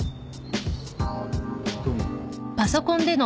どうも。